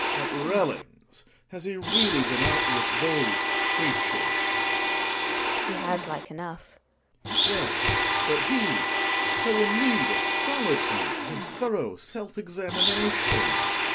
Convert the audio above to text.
At Relling's ! Has he really been out with those creatures ? GiNA. He has like enough. Gregers. Yes, but he — so in need of solitude and of thorough self examination. GiNA.